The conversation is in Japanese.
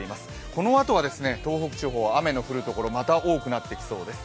このあとは東北地方は雨の降るところ、また多くなってきそうです。